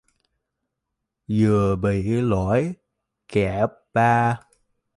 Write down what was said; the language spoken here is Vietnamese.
vừa bị lỗi kẹp ba